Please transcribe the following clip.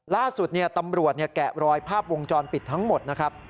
ล่าสุดตำรวจแกะรอยภาพวงจรปิดทั้งหมดนะครับ